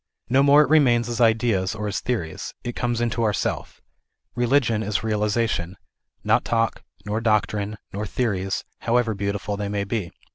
No more it remains as ideas or as theories ; it comes into our Self. Religion is realization, not talk, nor [doctrine, nor theories, however beautiful they may be.